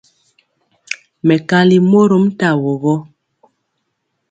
Mɛkali mɔrom tawo gɔ.